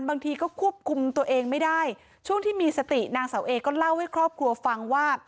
บางทีก็ควบคุมตัวเองไม่ได้ช่วงที่มีสตินางเสาเอก็เล่าให้ครอบครัวฟังว่า